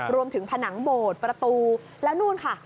รวมถึงผนังโบดประตูแล้วนู่นค่ะ